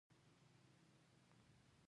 جميله وپوښتل زما ګرانه څه خبره ده.